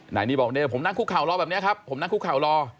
หน่ายนี้บอกผมนั่งคุกข่าวรอแบบนี้ครับผมนั่งคุกข่าวรอ